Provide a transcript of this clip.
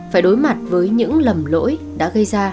phải đối mặt với những lầm lỗi đã gây ra